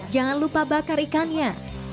jangan lupa bakar ikannya